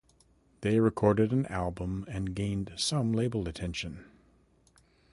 They recorded an album and gained some label attention.